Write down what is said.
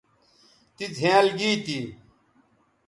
تی زھینئل گی تھی